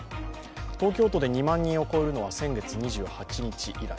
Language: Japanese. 東京都で２万人を超えるのは先月２８日以来。